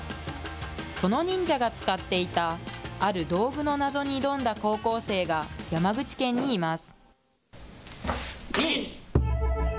その忍者が使っていた、ある道具の謎に挑んだ高校生が、山口県にいます。